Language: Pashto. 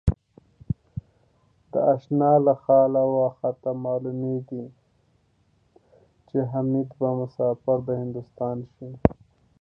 د آشناله خال و خطه معلومېږي ـ چې حمیدبه مسافر دهندوستان شي